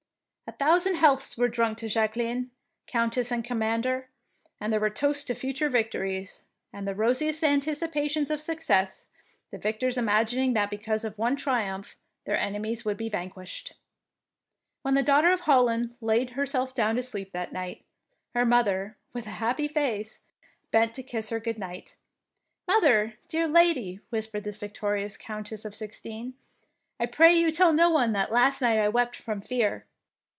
A thou sand healths were drunk to Jacqueline, Countess and Commander, and there were toasts to future victories, and the rosiest anticipations of success, the victors imagining that because of one triumph their enemies would be vanquished. When the Daughter of Holland laid 94 THE PEINCESS WINS herself down to sleep that night, her mother, with a happy face, bent to kiss her good night. " Mother, dear lady," whispered this victorious Countess of sixteen, " I pray you tell no one that last night I wept from fear